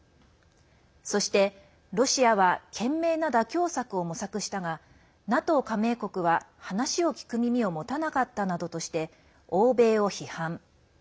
そして、ロシアは賢明な妥協策を模索したがＮＡＴＯ加盟国は、話を聞く耳を持たなかったなどとして欧米を批判。